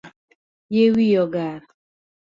Yie wiyi ogar